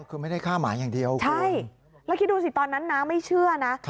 คือไม่ได้ฆ่าหมาอย่างเดียวใช่แล้วคิดดูสิตอนนั้นน้าไม่เชื่อนะ